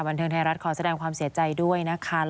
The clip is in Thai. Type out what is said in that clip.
บันเทิงไทยรัฐขอแสดงความเสียใจด้วยนะคะ